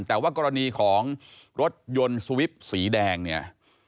แต่ว่ากรณีของรถยนต์สวิปสีแดงเนี่ย